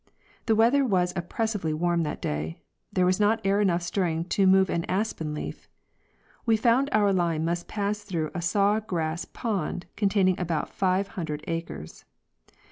The weather was oppressively warm that day. There was not air enough stirring to move an aspen leaf. We found our line must pass through a saw grass pond, containing about five hundred acres.